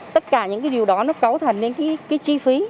tất cả những điều đó nó cấu thành chi phí